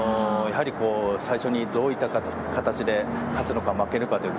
やはり、最初にどういった形で勝つのか負けるのか。